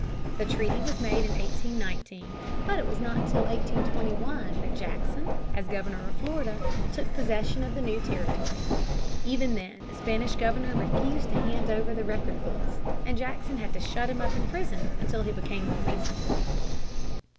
The treaty was made in 1819, but it was not until 1821 that Jackson, as governor of Florida, took possession of the new territory. Even then the Spanish governor refused to hand over the record books, and Jackson had to shut him up in prison until he became more reasonable.